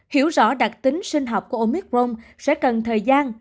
hiểu rõ đặc tính sinh học của omicron sẽ cần thời gian